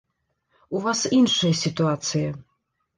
У вас іншая сітуацыя.